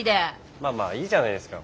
まあまあいいじゃないですか。